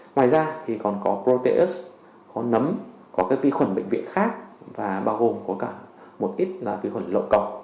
ngoài ra thì còn có proteos có nấm có các vi khuẩn bệnh viện khác và bao gồm có cả một ít là vi khuẩn lậu cỏ